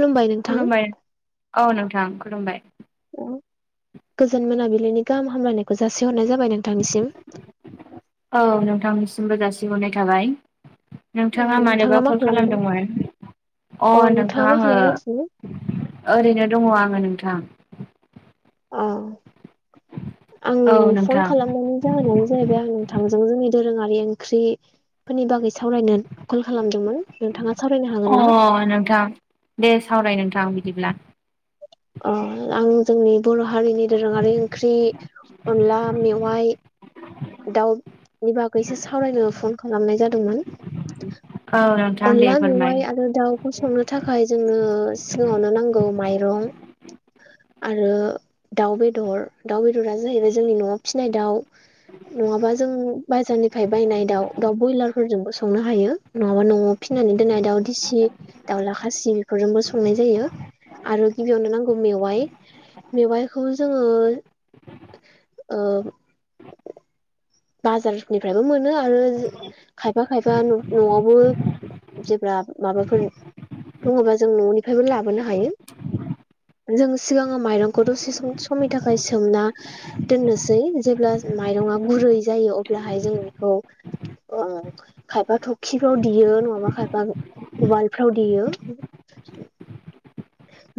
खुलुमबाय नोंथां खुलुमबाय औ नोंथां खुलुमबाय। गोजोन मोनाबिलिनि गाहाम हामलायनायखौ जासिहरनाय जाबाय नोंथांनिसिम। औ नोंथांनिसिमबो जासिहरनाय थाबाय। औ नोंथाङा मानोबा मा कल खालामदों खालामदोंमोन? अ नोंथाङा आङो ओरैनो दङ आङो नोंथां। औ आं औ फन नोंथां खालामनायनि जाहोनानो जाहैबाय आं नोंथांमोनजों जोंनि दोरोङारि ओंख्रिफोरनि बागै सावरायनो कल खालामदोंमोन नोंथाङा सावरायनो हागोन ना? अ नोंथा दे सावराय नोंथां आं बिदिब्ला अ आं जोंनि बर' हारिनि दोरोङारि ओंख्रि अनला मेवाइ दाउ नि बागैसो सावरायनो फन खालामनाय जादोंमोन। औ। दे अनला फोरमाय मेवाइ आरो दाउखौ संनो थाखाय जोंनो सिगाङावनो नांगौ माइरं। आरो दाउ बेदर दाउ बेदरा जाहैबाय जोंनि न'आव फिसिनाय दाउ नङाबा जों बाजारनिफ्राय बायनाय दाउ दाउ ब्रयलार फोरजोंबो संनो हायो। नङाबा न'आव फिनानै दोननाय दाउदिसि दाउला खासि बेफोरजोंबो संनाय जायो। आरो गिबियावनो नांगौ मेवाइ मेवाइखौ जोङो ओं। बाजारनिफ्रायबो मोनो आरो खायफा खायफा न'आवबो जेब्ला माबाफोर दङ'बा जों न'निफ्रायबो लाबोनो हायो। जों सिगाङो माइरंखौ दसे समनि थाखाय सोमना। दोननोसै जेब्ला माइरंआ गुरै जायो अब्लाहाय जों बेखौ खायफा थखिफ्राव देयो नङाबा खायफा उवालफ्राव देयो।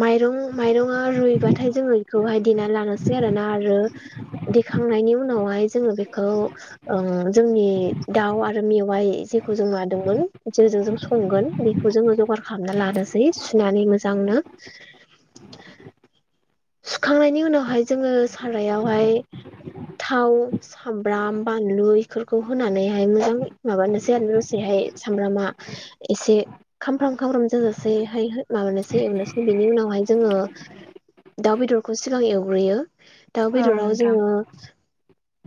माइरं माइरङा रुइबाथाय जोङो बेखौहाय देना लानोसै आरोना आरो दिखांनायनि उनावहाय जोङो बेखौ ओं जोंनि दाउ आरो मेवाइ जेखौ जों मादोंमोन जेजों जों संगोन । बेखौ जोङो जगार खालामना लानोसै सुनानै मोजांनो। सुखांनायनि उनावहाय जोङो सारायावहाय थाव सामब्राम बानलु इफोरखौ होनानैहाय मोजां माबानोसै आरो दसेहाय सामब्रामा एसे खामफ्राम खामफ्राम जाजासेैहाय माबानोसै एवनोसै बेनि उनावहाय जोङो। दाउ बेदरखौ सिगां एवग्रोयो दाउ औ बेदराव नोंथां जोङो।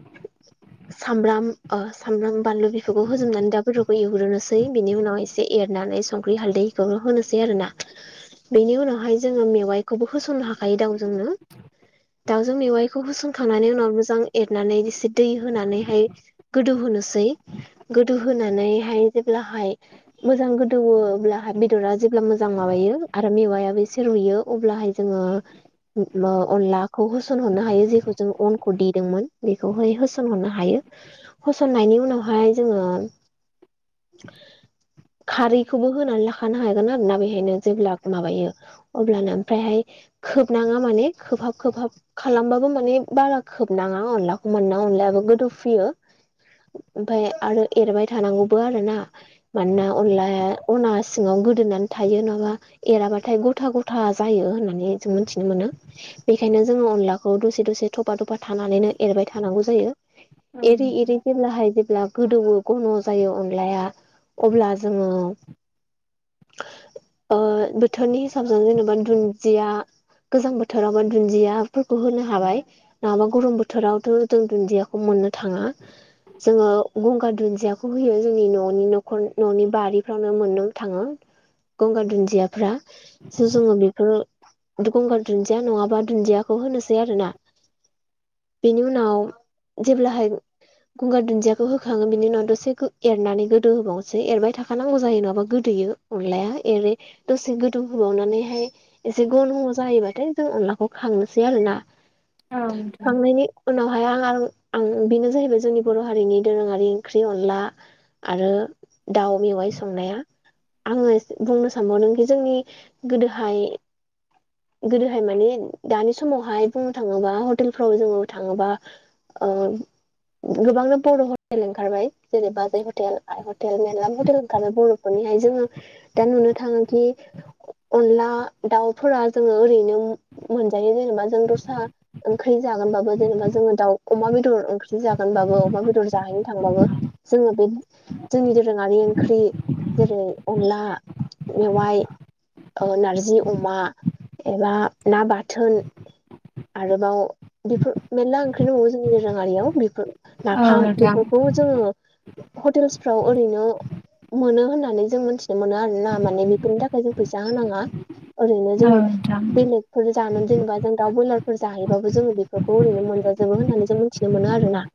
[inaudible] सामब्राम ओ सामब्राम बानलु बिफोरखौ होजोबनानै दा बेदरखौ एवग्रोनोसै बिनि उनाव एसे एरनानै संख्रि हालदैखौनो होनोसै आरोना। बेनि उनावहाय जोङो मेवाइखौबो होसननो हाखायो दाउ जोंनो। दाउजों मेवाइखौ होसनखांनानै उनाव मोजां एरनानै एसे दै होनानैहाय। गोदौ होनोसै गोदौ होनानैहाय जेब्लाहाय मोजां गोदौवो अब्लाहाय बेदरा जेब्ला मोजां माबायो आरो मेवायाबो एसे रुयो अब्लाहाय जोङो। अनलाखौ होसनहरनो हायो जेखौ जों अनखौ देदोंमोन बेखौहाय होसनहरनो हायो। होसननायनि उनावहाय जोङो। [inaudible] खारैखौबो होनानै लाखानो हागोन आरोना बेहायनो जेब्ला माबायो। अब्लानो ओमफ्रायहाय खोबनाङा माने खोबहाब खोबहाब खालामबाबो माने बारा खोबनाङा अनलाखौ मोनोना अनलायाबो गोदौफ्रुयो। ओमफाय आरो एरबाय थानांगौबो आरोना। मानोना अनलाया अना सिङाव गोदोनानै थायो नङाबा। एराबाथाय गथा गथा जायो होननानै जों मोनथिनो मोनो। बेखायनो जोङो अनलाखौ दसे दसे थफा थफा थानानैनो एरबाय थानांगौ जायो। औ एरै एरै। नोंथां जेब्लाहाय जेब्ला गोदौवो घन' जायो अनलाया अब्ला जोङो। ओ बोथोरनि हिसाबजों जेनेबा दुन्दिया गोजां बोथोरावबा दुन्दियाफोरखौ होनो हाबाय। नङाबा गरम बोथोरावथ' जों दुन्दियाखौ मोननो थाङा। जोङो गंगार दुन्दियाखौ होयो जोंनि न'नि न'खर न'नि बारिफ्रावनो मोननो थाङो। गंगार दुन्दियाफ्रा स' जोङो बेफोर गंगार दुन्दिया नङाबा दुन्दियाखौ होनोसै आरोना। बेनि उनाव जेब्लाहाय। गंगार दुन्दियाखौ होखाङो बिनि उनाव दसे एरनानै गोदो होबावनोसै एरबाय थाखानांगौ जायो नङाबा गोदोयो। अनलाया एरै दसे गोदौ होबावनानैहाय एसे गन' जाहैबाथाय जों अनलाखौ खांनोसै आरोना औ नोंथां खांनायनि उनावहाय आं आं बेनो जाहैबाय जोंनि बर' हारिनि दोरोङारि ओंख्रि अनला। आरो दाउ मेवाइ संनाया। आङो बुंनो सानबावदोंखि जोंनि गोदोहाय गोदोहाय माने दानि समावहाय बुंनो थाङोबा हटेलफ्राव जोङो थाङोबा। ओ गोबांनो बर' हटेल ओंखारबाय जेरै बाजै हटेल, आइ हटेल मेर्ला हटेल ओंखारबाय बर' मोनहैनाय जोङो दा नुनो थाङोखि अनला दाउ फोरा जोङो ओरैनो मोनजायो जेनेबा जों दस्रा ओंख्रि जागोनबाबो जेनेबा जोङो दाउ अमा बेदर ओंख्रि जागोनबाबो अमा बेदर जाहैनो थांबाबो जोङो बेनो जोंनि दोरोङारि ओंख्रि जेरै अनला मेवाइ ओ नारजि अमा एबा ना बाथोन आरोबाव बेफोर मेरला ओंख्रि दङो जोंनि दोरोंयारियाव बेफोर औ नाफाम नोंथां बेफोरखौ जोङो हटेलसफ्राव ओरैनो मोनो होननानै जों मोनथिनो मोनो आरोना माने बेफोरनि थाखाय जों फैसा होनाङा। ओरैनो जों औ नोंथां बेलेग जानो जेनेबा जों दा बयलारफोर जाहैबाबो जोङो बेफोरखौ ओरैनो मोनजाजोबो होननानै जों मिथिनो मोनो आरो ना।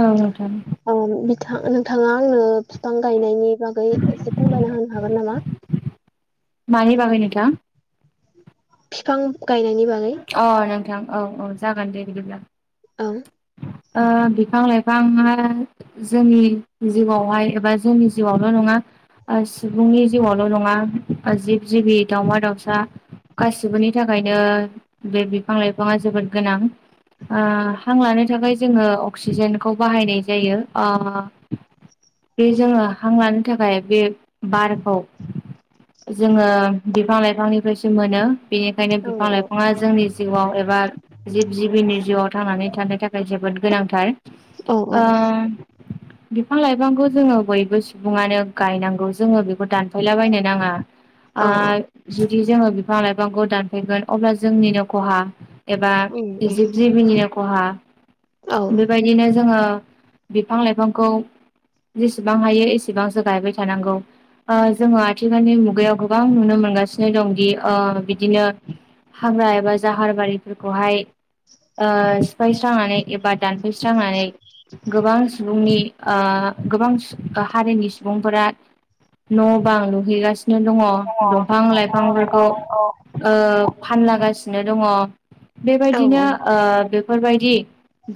औ नोंथां। औ नोंथा नोंथाङा आंनो फिफां गायनायनि बागै एसे फोरमायना होनो हागोन नामा? मानि बागै नोंथां फिफां गायनायनि बागै अ नोंथां औ औ जागोन दे बिदिब्ला। औ ओ बिफां लाइफाङा जोंनि जिउआवहाय एबा जोंनि जिउआवल' नङा ओ सुबुंनि जिउआवल' नङा जिब जिबि दावमा दाउसा गासिबोनि थाखायनो बे बिफां लाइफाङा जोबोद गोनां। ओ हां लानो थाखाय जोङो अक्सिजेनखौ बाहायनाय जायो ओ बे जोङो हां लानो थाखाय बे बारखौ जोङो बिफां लाइफांनिफ्रायसो मोनो। बेनिखायनो औ बिफां लाइफाङा जोंनि जिउआव एबा जिब जिबिनि जिउआव थांनानै थानो थाखाय जोबोद गोनांथार। औ ओ औ बिफां लाइफांखौ जोङो बयबो सुबुङानो गायनांगौ। जोङो बेखौ दानफायलाबायनो नाङा। आ औ जुदि जोङो बिफां लाइफांखौ दानफैगोन अब्ला जोंनिनो खहा एबा उम उम जिब जिबिनिनो खहा। औ बेबायदिनो जोङो बिफां लाइफांखौ जेसेबां हायो एसेबांसो गायबाय थानांगौ। ओ जोङो आथिखालनि मुगायाव गोबां नुनो मोनगासिनो दं दि ओ बिदिनो हाग्रा एबा जाहार बारिफोरखौहाय ओ [unintelligible] स्रांनानै एबा दानफायस्रांनानै गोबां सुबुंनि ओ गोबां सु हारिनि सुबुंफोरा न' बां लुहैगासिनो दङ' औ औ दंफां लाइफांफोरखौ ओ फानलागासिनो दङ'। औ बेबायदिनो ओ बेफोरबायदि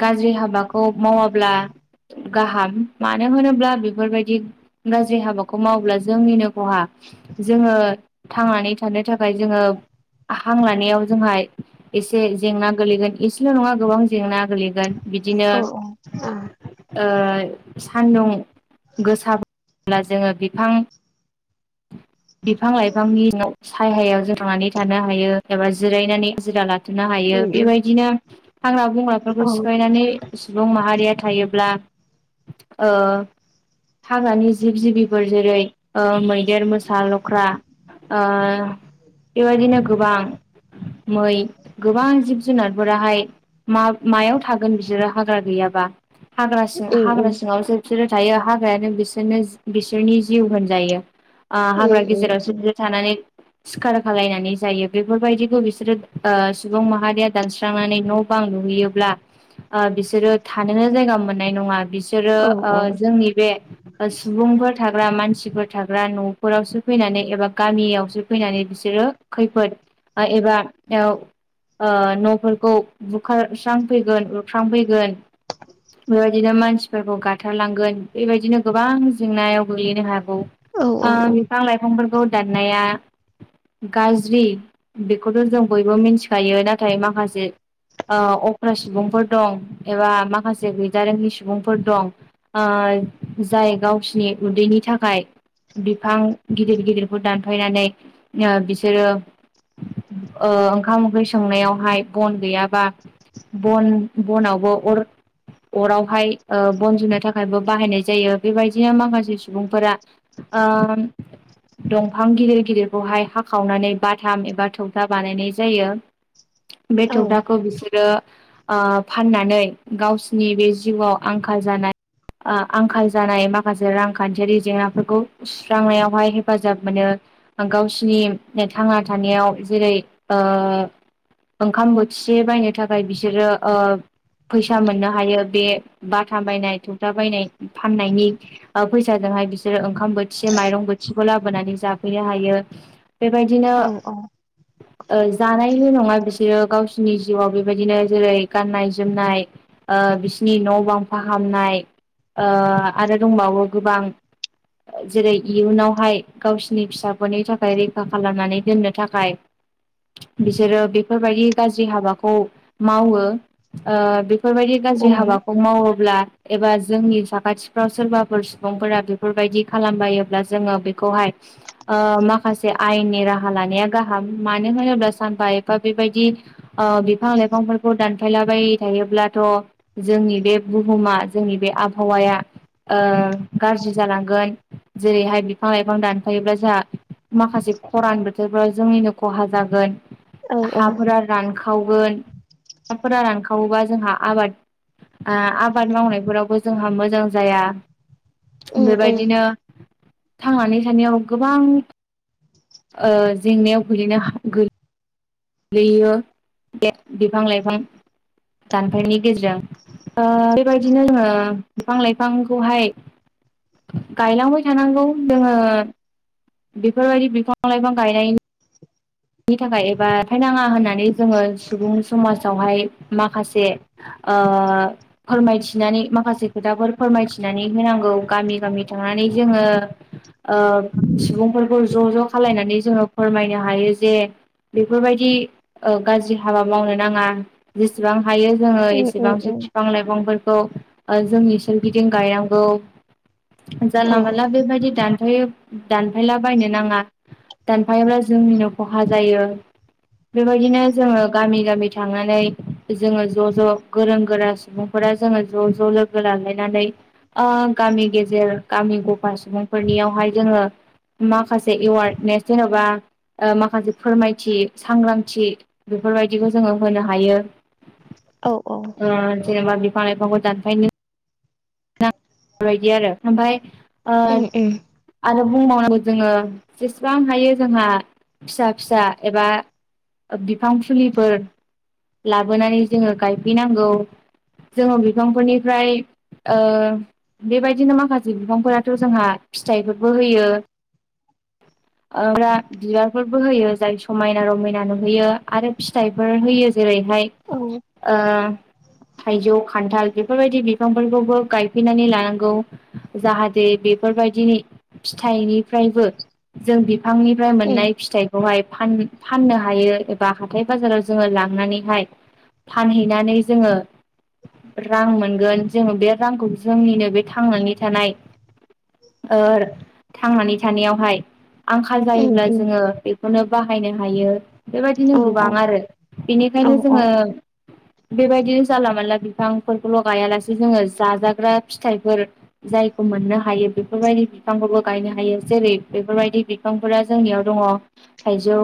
गाज्रि हाबाखौ मावाब्ला गाहाम। मानो होनोब्ला बे फोरबायदि गाज्रि हाबाखौ मावोब्ला जोंनिनो खहा। जोङो थांनानै थानो थाखाय जोङो हां लानायाव जोंहा एसे जेंना गोलैगोन एसेल' नङा गोबां जेंना गोलैगोन। बिदिनो औ ओ सान्दुं गोसाब्ला जोङो बिफां बिफां लाइफांनि न' सायहायाव जों थांनानै थानो हायो एबा जिरायनानै जिरा ला थ'नो हायो। उम उम बेबायदिनो हाग्रा बंग्राफोरखौ औ सिफायनानै सुबुं माहारिया थायोब्ला ओ हाग्रानि जिब जिबिफोर जेरै ओ मै मोसा लख्रा ओ बेबायदिनो गोबां मै गोबां जिब जुनारफोराहाय मा मायाव थागोन बिसोरो हाग्रा गैयाबा। हाग्रा सिं उम उम हाग्रा सिङाव जे बिसोरो थायो हाग्रायानो बिसोरनो बिसोरनि जिउ होनजायो। ओ उम हाग्रा उम गेजेरावसो बि थानानै सिखार खालायनानै जायो बेफोरबायदिखौ बिसोरो ओ सुबुं माहारिया दानस्रांनानै न' बां लुैहोयोब्ला ओ बिसोरो थांनोनो जायगा मोननाय नङा बि सोरो औ ओ जोंनि बे सुबुंफोर थाग्रा मानसिफोर थाग्रा न' खरावसो फैनानै एबा गामियावसो फैनानै बिसोरो खैफोद एबा औ ओ न'फोरखौ बुखारस्रांफैगोन उरख्रांफैगोन ओ बेबादिनो मानस फोरखौ गाथारलांगोन बेबायदिनो गोबां जेंनायाव गोलैनो हागौ। औ औ [unintelligible] बिफां लाइफांफोरखौ दाननाया गाज्रि बेखौथ' जों बयबो मिनथि गायो नाथाय माखासे ओ अख्रा सुबुंफोर दं एबा माखासे गैजारोङि सुबुंफोर दं। ओ जाय गावसिनि उदैनि थाखाय बिफां गिदिर गिदिरखौ दानफायनानै ओ बिसोरो ओ ओंखाम ओंख्रि संनायावहाय बन गैयाबा बन बनावबो अर अरावहाय ओ बनजुनो थाखायबो बाहायनाय जायो बेबायदिनो माखासे सुबुंफोरा आ दंफां गिदिर गिदिरखौहाय हाखावनानै बाथाम एबा थौथा बानायनाय जायो‌। बे औ थौदाखौ बिसोर रो ओ फाननानै गावसिनि बे जिउआव आंखाल जानाय ओ आंखाल जानाय माखासे रांखान्थियारि जेंनाफोर खौ सुस्रांनायावहाय हेफाजाब मोनो। गावसिनि थांना थानायाव जेरै ओ ओंखाम बोथिसे बायनो थाखाय बिसोरो ओ फैसा मोननो हायो बे बाथाम बायनाय थौथा बायनाय फाननायनि ओ फैसाजों बिस सोलो ओंखाम बोथिसे माइरं बोथिखौ लाबोनानै जाफैनो हायो बेबायदिनो औ [inaudible] ओ जानायल' नङा बिसोरो गावसोरनि जिउआव बेबायदिनो जेरै गाननाय जोमनाय ओ बिसिनि न' बां फाहामनाय ओ आरो दंबावो गोबां जेरै इयुनावहाय गावसिनि फिसाफोरनि थाखाय रैखा खालामनानै दोननो थाखाय [inaudible] बिसोरो बेफोरबायदि गाज्रि हाबाखौ मावो ओ बेफोरबायदि गाज्रि हाबाखौ मावोब्ला एबा जोंनि साखाथिफ्राव सोरबाफोर सुबुंफोरा बे फोरबायदि खालामबायोब्ला जोङो बेखौहाय ओ माखासे आयेननि राहा लानाया गाहाम मानो होनोब्ला सानफा एफा बेबायदि ओ बिफां लाइफांफोरखौ दानफायलाबाय थायोब्लाथ' जोंनि बे बुहुमा जोंनि बे आबहावाया गाज्रि ओ जालांगोन। जेरैहाय बिफां लाइफां दानफायोब्ला जोंहा माखासे खरान बोथोरफोरा जोंनिनो खहा जागोन औ हा औ फोरा रानखावगोन फोरा रानखावोबा जोंहा आबाद ओ आबाद मावनायफोरावबो जोंहा मोजां जाया। उम उम बेबायदिनो थांनानै थानायाव गोबां ओ जेंनायाव गोलैनोहा गै गैयो बिफां लाइफां दानफायनि गेजेरजों ओ बेबायदिनो जोङो बिफां लाइफांखौहाय गायलांबाय थानांगौ जोङो बेफोरबायदि बिफां लाइफां गायनायनि नि थाखाय एबा फायनाङा होननानै जोङो सुबुं समाजावहाय माखासे ओ फोरमायथिनानै माखासे खोथाफोर फोरमायथिनानै होनांगौ गामि गामि थांनानै जोङो ओ सुबुंफोरखौ ज' ज' खालायनानै जोङो फोरमायनो हायो। जे बेफोरबायदि गाज्रि हाबा मावनो नाङा। जेसेबां हायो जोङो उम उम एसेबांसो उम फिफां लाइफांफोरखौ ओ जोंनि सोरगिदिं गायनांगौ औ जानला मानला बेबायदि दानफायो दानफायला बायनो नाङा दानफायाब्ला जोंनिनो खहा जायो। बेबायदिनो जोङो गामि गामि थांनानै जोङो ज' ज' गोरों गोरा सुबुं खौरां जोङो ज' ज' लोगो लालायनानै ओ गामि गेजेर गामि गफा सुबुंफोरनियावहाय जोङो माखासे एवार्डने जेन'बा माखासे फोरमायथि सांग्रांथि बेफोरबायदिखौ जोङो होनो हायो। औ औ ओ जेनेबा बिफां लाइफांखौ दानफायनो बेबायदि आरो ओमफ्राय ओ उम उम आरो बुंबावनांगौ जोङो जेसेबां हायो जोंहा फिसा फिसा एबा बिफां फुलिफोर लाबोनानै जोङो गायफैनांगौ। जोङो बिफांफोरनिफ्राय ओ बेबायदिनो माखासे बिगांफोराथ' जोंहा फिथाइफोरबो होयो। ओ बिबारफोरबो होयो जाय समायना रमायना नुहैयो आरो फिथाइफोर होयो जेरैहाय औ ओ थाइजौ खान्थाल बेफोरबायदि बिफांफोरखौबो गायफैनानै लानांगौ। जाहाथे बेफोरबायदिनि फिथाइनिफ्रायबो जों बिफांनिफ्राय उम मोननाय फिथाइ बैखौहाय फाननो हायो एबा हाथाय बाजाराव जोङो लांनानैहाय फानहैनानै जोङो रां मोनगोन जोङो बे रांखौ जोंनिनो बे थांनानै थानाय ओ थांनानै थानायावहाय‌ आंखाल उम जायोब्ला उम जोङो बेखौनो बाहायनो हायो। औ बेबायदिनो गोबां आरो औ बेनिखायनो औ जोङो बेबायदिनो जानला मानला बिफांफोरखौल' गायालासे जोङो जाजाग्रा फिथाइफोर जायखौ मोननो हायो बेफोरबायदि बिफांखौबो गायनो हायो जेरै बेफोरबायदि बिफांफोरा जोंनियाव दङ थाइजौ